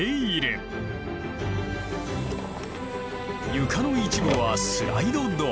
床の一部はスライドドア。